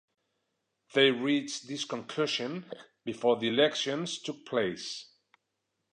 They reached this conclusion before the elections took place.